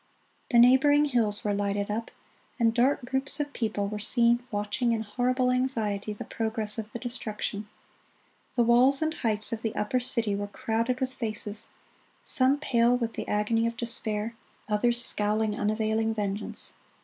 The neighboring hills were lighted up; and dark groups of people were seen watching in horrible anxiety the progress of the destruction: the walls and heights of the upper city were crowded with faces, some pale with the agony of despair, others scowling unavailing vengeance.